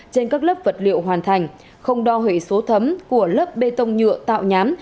trên các lớp vật liệu hoàn thành không đo hệ số thấm của lớp bê tông nhựa tạo nhám